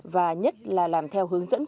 và nhất là làm theo hướng dẫn của họ